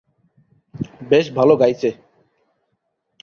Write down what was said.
বেশ ভালো গাইছে।